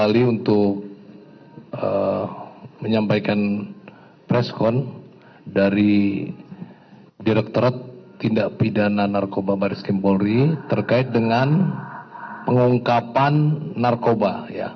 direkturat tindak pidana narkoba baris kempolri terkait dengan pengungkapan narkoba